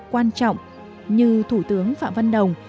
quan trọng như thủ tướng phạm văn đồng